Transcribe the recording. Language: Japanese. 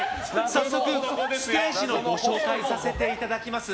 早速、ステージのご紹介をさせていただきます。